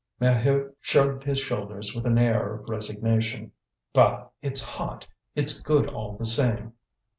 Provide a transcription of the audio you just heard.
Maheu shrugged his shoulders with an air of resignation. "Bah! It's hot! It's good all the same."